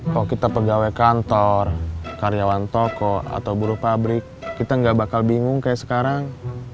kalau kita pegawai kantor karyawan toko atau buruh pabrik kita nggak bakal bingung kayak sekarang